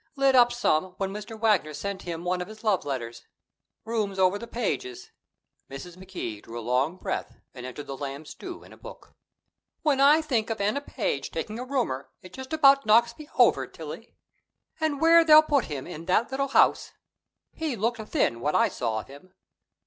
Lit up some when Mr. Wagner sent him one of his love letters. Rooms over at the Pages'." Mrs. McKee drew a long breath and entered the lamb stew in a book. "When I think of Anna Page taking a roomer, it just about knocks me over, Tillie. And where they'll put him, in that little house he looked thin, what I saw of him.